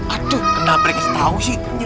aduh kenapa dia gak tau sih